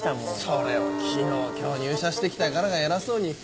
それを昨日今日入社して来た輩が偉そうに。